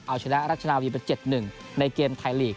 เอาเฉล้ารักษณะวิบัติ๗๑ในเกมไทยลีก